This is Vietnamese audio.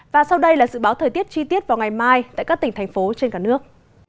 và sau đây là dự báo thời tiết chi tiết vào ngày mai tại các tỉnh thành phố trên cả nước